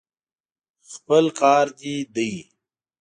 خپل کار دې دی.